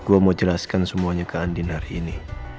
gue mau jelaskan semuanya ke andin hari ini